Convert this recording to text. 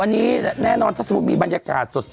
วันนี้แน่นอนถ้าสมมุติมีบรรยากาศสด